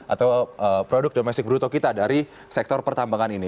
atau produk domestik bruto kita dari sektor pertambangan ini